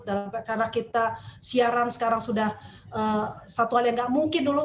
dalam cara kita siaran sekarang sudah satu hal yang tidak mungkin dulu